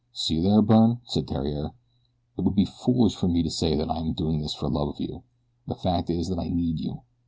"See here, Byrne," said Theriere. "It would be foolish for me to say that I am doing this for love of you. The fact is that I need you.